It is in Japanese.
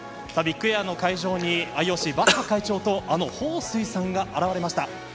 ビッグエアの会場にＩＯＣバッハ会長とあの彭帥さんが現れました。